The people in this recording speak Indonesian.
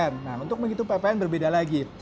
nah untuk menghitung pmp berbeda lagi